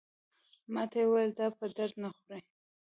ماته یې وویل دا په درد نه خوري.